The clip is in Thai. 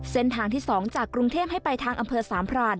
เส้นทางที่๒จากกรุงเทพให้ไปทางอำเภอสามพราน